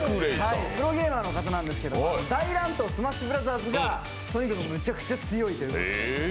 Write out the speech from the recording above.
プロゲーマーの方なんですけど「大乱闘スマッシュブラザーズ」がとにかくむちゃくちゃ強いということで。